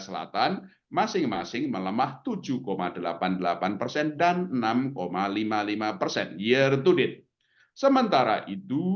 selatan masing masing melemah tujuh delapan puluh delapan persen dan enam lima puluh lima persen year to date sementara itu